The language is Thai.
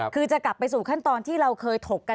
คือจะกลับไปสู่ขั้นตอนที่เราเคยถกกัน